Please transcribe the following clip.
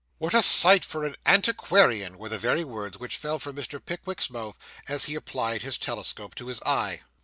'What a study for an antiquarian!' were the very words which fell from Mr. Pickwick's mouth, as he applied his telescope to his eye.